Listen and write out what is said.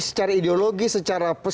secara ideologi secara perseratan